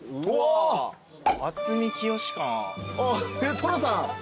寅さん。